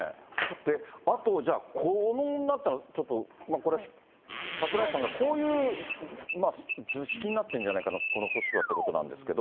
あと、じゃあ、ちょっとこれ、櫻井さんがこういう図式になってんじゃないかなと、この組織はということなんですが。